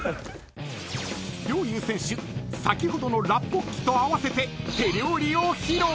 ［陵侑選手先ほどのラッポッキとあわせて手料理を披露］